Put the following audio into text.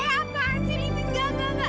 eh apaan sih ini enggak enggak enggak